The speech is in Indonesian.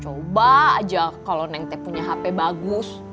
coba aja kalo neng teh punya hp bagus